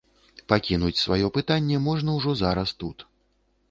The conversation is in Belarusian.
Пакінуць сваё пытанне можна ўжо зараз тут.